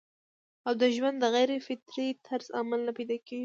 او د ژوند د غېر فطري طرز عمل نه پېدا کيږي